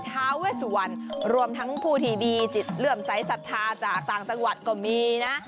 ท้าเวสวรรณรวมทั้งผู้ที่ดีจิตเลื่อมใสสัทธาจากต่างจังหวัดก็มีนะ